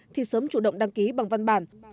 thì sớm chủ động đăng ký bằng văn bản